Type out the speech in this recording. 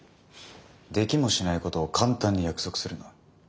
できもしないことを簡単に約束するな。